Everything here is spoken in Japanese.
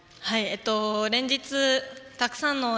連日、たくさんの応援